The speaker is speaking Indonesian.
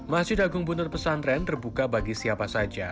masjid agung bunur pesantren terbuka bagi siapa saja